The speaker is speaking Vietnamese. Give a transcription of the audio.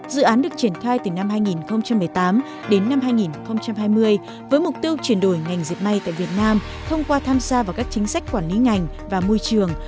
dự án được triển khai từ năm hai nghìn một mươi tám đến năm hai nghìn hai mươi với mục tiêu chuyển đổi ngành diệp may tại việt nam thông qua tham gia vào các chính sách quản lý ngành và môi trường